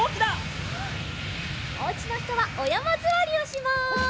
おうちのひとはおやまずわりをします。